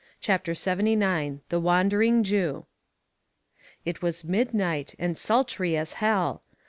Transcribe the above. '" CHAPTER XII. THE WANDERING JEW. "It was midnight, and sultry as hell.